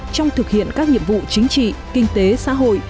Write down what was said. trong thực hiện các nhiệm vụ chính trị kinh tế xã hội